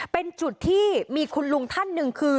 เป็นจุดที่มีคุณลุงท่านหนึ่งคือ